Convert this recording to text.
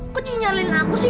kok cincarin aku sih